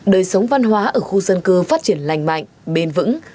đời sống văn hóa ở khu dân cư phát triển lành mạnh bền vững